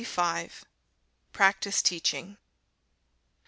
XXV. PRACTICE TEACHING.